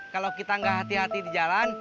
kalau kita nggak hati hati di jalan